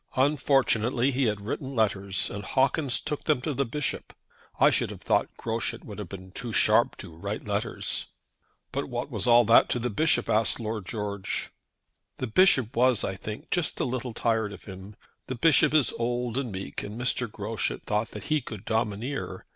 Unfortunately he had written letters, and Hawkins took them to the Bishop. I should have thought Groschut would have been too sharp to write letters." "But what was all that to the Bishop?" asked Lord George. "The Bishop was, I think, just a little tired of him. The Bishop is old and meek, and Mr. Groschut thought that he could domineer.